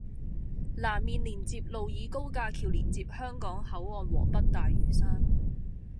南面連接路以高架橋連接香港口岸和北大嶼山